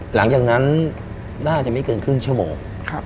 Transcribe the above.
หลังจากนั้นน่าจะไม่เกินครึ่งชั่วโมง